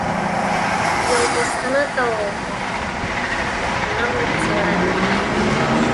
یو مستند او مغتنم څېړنه ده.